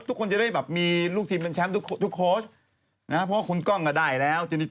ทุกคนจะได้แบบมีลูกทีมเป็นแชมป์ทุกโค้ชนะครับเพราะว่าคุณกล้องก็ได้แล้วทีนี้